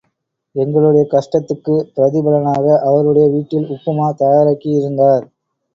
எங்களுடைய கஷ்டத்துக்குப் பிரதிபலனாக, அவருடைய வீட்டில் உப்புமா தயாராக்கி இருந்தார்.